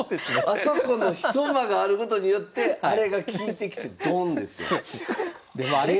あそこのひと間があることによってアレが効いてきてドーンですよ。